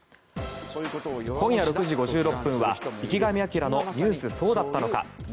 今夜６時５６分は「池上彰のニュースそうだったのか！！」。